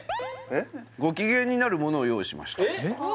「ご機嫌になるものを用意しました」